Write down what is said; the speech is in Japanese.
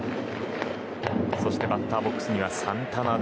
そしてバッターボックスにはサンタナ。